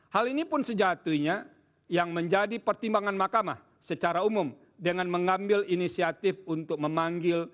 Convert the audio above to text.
hal ini pun sejatinya yang menjadi pertimbangan makamah secara umum dengan mengambil inisiatif untuk memanggil